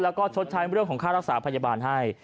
แล้วก็ชดใช้เรื่องของค่ารักษาพยาบาลให้